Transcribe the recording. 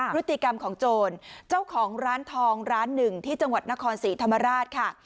พฤติกรรมของโจรเจ้าของร้านทองร้านหนึ่งที่จังหวัดนครศรีธรรมราชค่ะ